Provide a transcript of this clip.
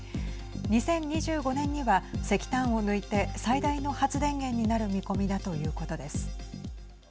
２０２５年には石炭を抜いて最大の発電源になる見込みだということです。